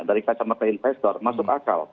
dari kacamata investor masuk akal